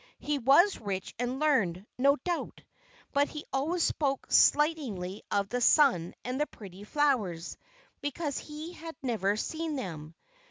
He was rich and learned, no doubt, but he always spoke slightingly of the sun and the pretty flowers, because he had never seen them.